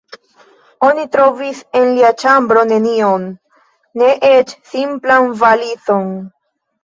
Oni trovis en lia ĉambro nenion, ne eĉ simplan valizon.